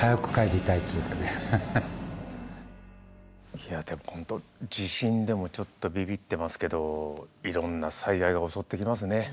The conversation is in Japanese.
いやでも本当地震でもちょっとビビってますけどいろんな災害が襲ってきますね。